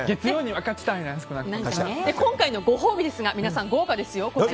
今回のご褒美ですが豪華ですよ。